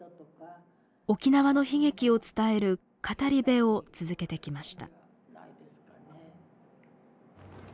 沖縄の悲劇を伝える語り部を続けてきました。